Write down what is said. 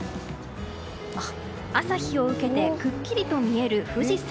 朝日を受けてくっきりと見える富士山。